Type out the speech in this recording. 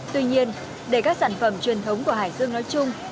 tuy nhiên để các sản phẩm truyền thống của hải dương nói chung